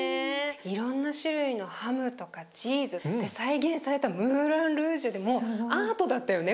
いろんな種類のハムとかチーズで再現されたムーランルージュでもうアートだったよね